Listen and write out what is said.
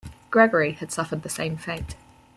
"Gregory" had suffered the same fate.